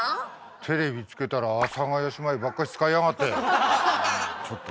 テレビつけたら阿佐ヶ谷姉妹ばっかし使いやがって。